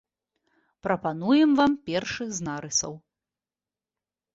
Прапануем вам першы з нарысаў.